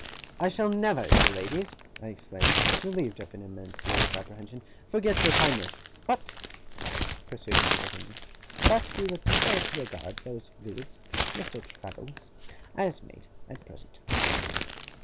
'I shall never, dear ladies,' I exclaimed, relieved of an immense load of apprehension, 'forget your kindness!' 'But,' pursued Miss Lavinia, 'but, we would prefer to regard those visits, Mr. Traddles, as made, at present, to us.